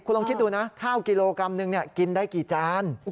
คุณลองคิดดูนะข้าวกิโลกรัมนึงกินได้กี่จาน